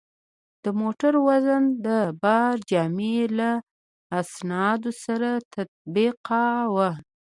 د موټر وزن د بارجامې له اسنادو سره تطبیقاوه.